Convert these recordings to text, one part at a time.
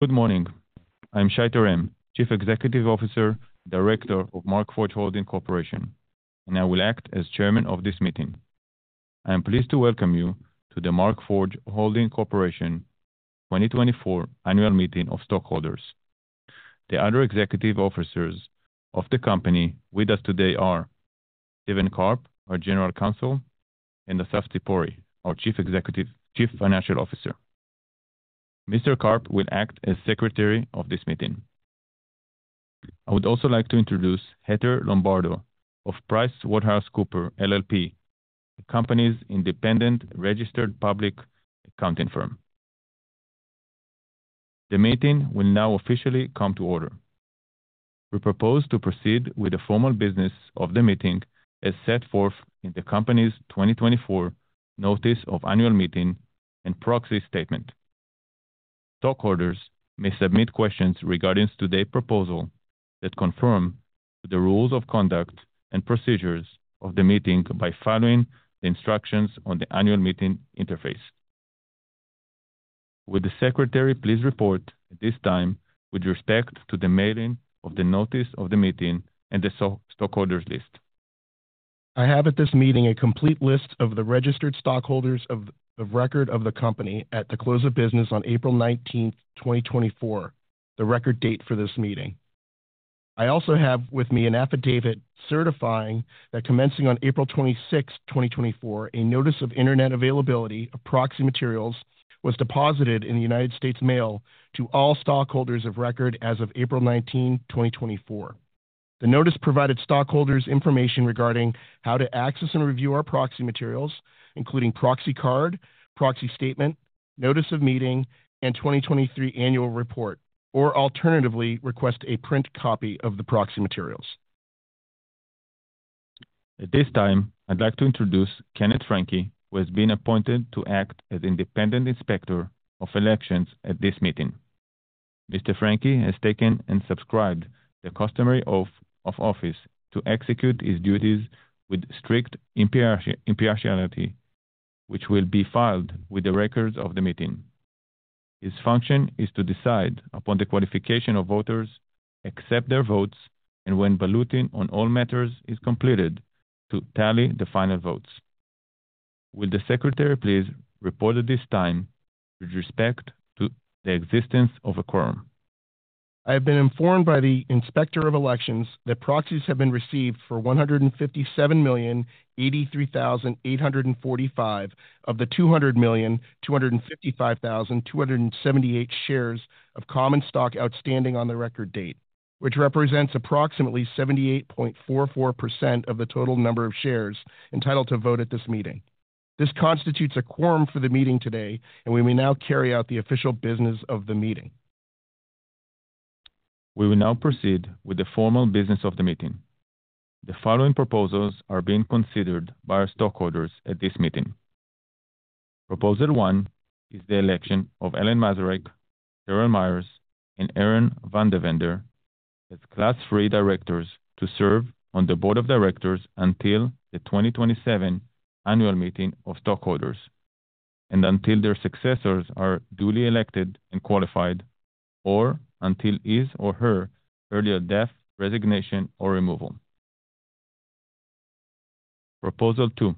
Good morning. I'm Shai Terem, Chief Executive Officer, Director of Markforged Holding Corporation, and I will act as chairman of this meeting. I am pleased to welcome you to the Markforged Holding Corporation 2024 Annual Meeting of Stockholders. The other executive officers of the company with us today are Stephen Karp, our General Counsel, and Assaf Zipori, our Chief Executive- Chief Financial Officer. Mr. Karp will act as secretary of this meeting. I would also like to introduce Heather Lombardo of PricewaterhouseCoopers LLP, the company's independent registered public accounting firm. The meeting will now officially come to order. We propose to proceed with the formal business of the meeting as set forth in the company's 2024 notice of annual meeting and proxy statement. Stockholders may submit questions regarding today's proposal that confirm the rules of conduct and procedures of the meeting by following the instructions on the annual meeting interface. Would the secretary please report at this time with respect to the mailing of the notice of the meeting and the stockholders list? I have at this meeting a complete list of the registered stockholders of the record of the company at the close of business on April 19, 2024, the record date for this meeting. I also have with me an affidavit certifying that commencing on April 26, 2024, a notice of internet availability of proxy materials was deposited in the United States Mail to all stockholders of record as of April 19, 2024. The notice provided stockholders information regarding how to access and review our proxy materials, including proxy card, proxy statement, notice of meeting, and 2023 annual report, or alternatively, request a print copy of the proxy materials. At this time, I'd like to introduce Kenneth Franke, who has been appointed to act as independent inspector of elections at this meeting. Mr. Franke has taken and subscribed the customary oath of office to execute his duties with strict impartiality, which will be filed with the records of the meeting. His function is to decide upon the qualification of voters, accept their votes, and when balloting on all matters is completed, to tally the final votes. Will the secretary please report at this time with respect to the existence of a quorum? I have been informed by the Inspector of Elections that proxies have been received for 157,083,845 of the 200,255,278 shares of common stock outstanding on the record date, which represents approximately 78.44% of the total number of shares entitled to vote at this meeting. This constitutes a quorum for the meeting today, and we may now carry out the official business of the meeting. We will now proceed with the formal business of the meeting. The following proposals are being considered by our stockholders at this meeting. Proposal 1 is the election of Alan Masarek, Carol Meyers, and Aaron VanDevender as Class III directors to serve on the board of directors until the 2027 annual meeting of stockholders and until their successors are duly elected and qualified, or until his or her earlier death, resignation, or removal. Proposal 2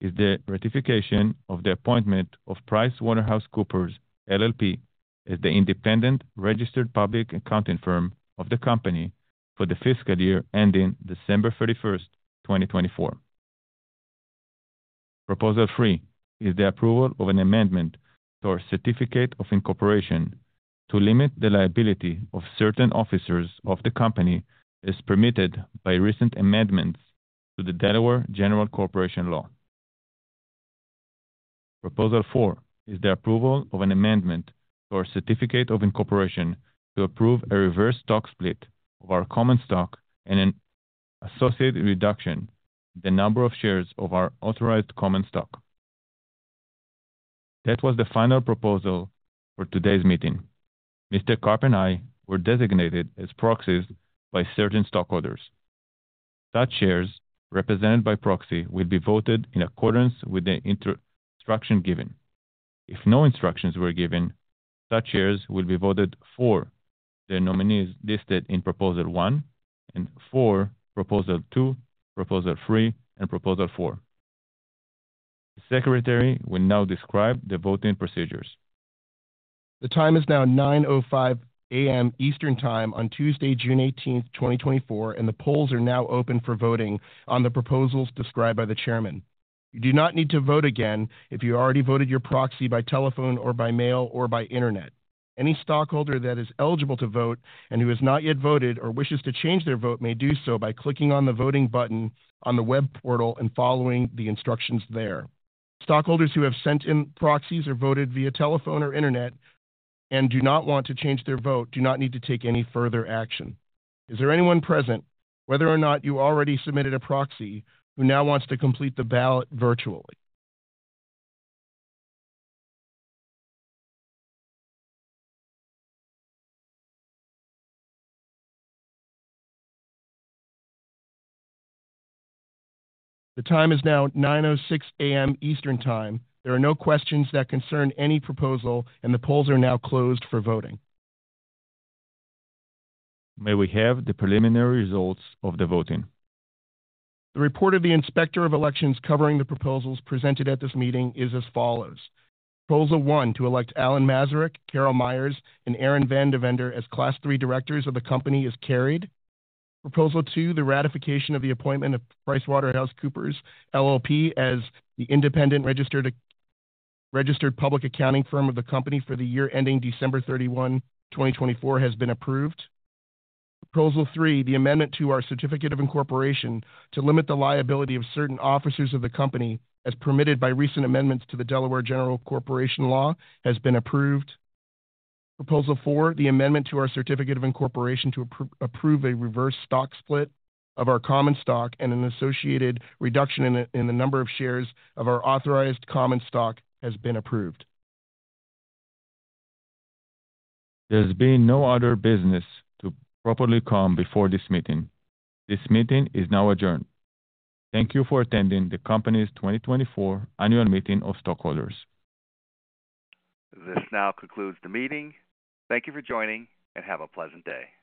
is the ratification of the appointment of PricewaterhouseCoopers LLP as the independent registered public accounting firm of the company for the fiscal year ending December thirty-first, 2024. Proposal 3 is the approval of an amendment to our certificate of incorporation to limit the liability of certain officers of the company as permitted by recent amendments to the Delaware General Corporation Law. Proposal four is the approval of an amendment to our certificate of incorporation to approve a reverse stock split of our common stock and an associated reduction in the number of shares of our authorized common stock. That was the final proposal for today's meeting. Mr. Karp and I were designated as proxies by certain stockholders. Such shares represented by proxy will be voted in accordance with the instructions given. If no instructions were given, such shares will be voted for the nominees listed in proposal one and four, proposal two, proposal three, and proposal four. The secretary will now describe the voting procedures. The time is now 9:05 A.M. Eastern Time on Tuesday, June 18, 2024, and the polls are now open for voting on the proposals described by the chairman. You do not need to vote again if you already voted your proxy by telephone or by mail, or by internet. Any stockholder that is eligible to vote and who has not yet voted or wishes to change their vote may do so by clicking on the voting button on the web portal and following the instructions there. Stockholders who have sent in proxies or voted via telephone or internet and do not want to change their vote, do not need to take any further action. Is there anyone present, whether or not you already submitted a proxy, who now wants to complete the ballot virtually? The time is now 9:06 A.M. Eastern Time. There are no questions that concern any proposal, and the polls are now closed for voting. May we have the preliminary results of the voting? The report of the Inspector of Elections covering the proposals presented at this meeting is as follows: Proposal 1, to elect Alan Masarek, Carol Meyers, and Aaron VanDevender as Class III directors of the company is carried. Proposal 2, the ratification of the appointment of PricewaterhouseCoopers LLP as the independent registered public accounting firm of the company for the year ending December 31, 2024, has been approved. Proposal 3, the amendment to our certificate of incorporation to limit the liability of certain officers of the company, as permitted by recent amendments to the Delaware General Corporation Law, has been approved. Proposal 4, the amendment to our certificate of incorporation to approve a reverse stock split of our common stock and an associated reduction in the number of shares of our authorized common stock has been approved. There's been no other business to properly come before this meeting. This meeting is now adjourned. Thank you for attending the company's 2024 Annual Meeting of Stockholders. This now concludes the meeting. Thank you for joining, and have a pleasant day.